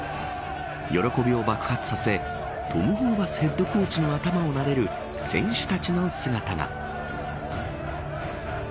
喜びを爆発させトム・ホーバスヘッドコーチの頭をなでる選手たちの姿が。